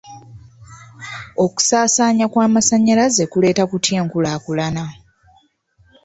Okusaasaanya kw'amasannyalaze kuleeta kutya enkulaakulana?